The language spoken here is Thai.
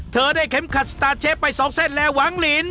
เธอได้เข็มขัดสตาร์เชฟไป๒เส้นและหวังลิน